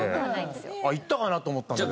いったかなと思ったんだけど。